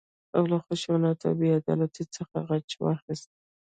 او له خشونت او بې عدالتۍ څخه غچ واخيست.